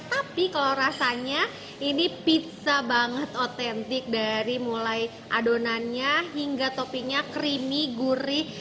tapi kalau rasanya ini pizza banget otentik dari mulai adonannya hingga toppingnya creamy gurih